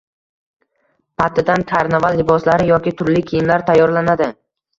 patidan karnaval liboslari yoki turli kiyimlar tayyorlanadi.